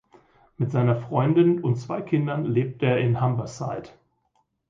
Mit seiner Freundin und zwei Kindern lebt er in Humberside.